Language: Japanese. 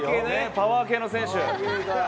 パワー系の選手。